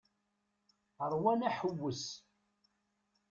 Rwan aḥewwes.